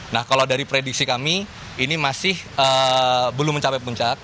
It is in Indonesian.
nah kalau dari prediksi kami ini masih belum mencapai puncak